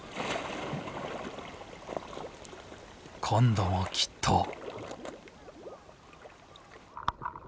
今度もきっと。